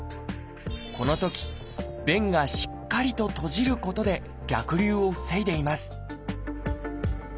このとき弁がしっかりと閉じることで逆流を防いでいます